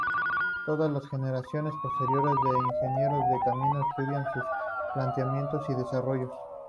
Todas las generaciones posteriores de ingenieros de caminos estudian sus planteamientos y desarrollos.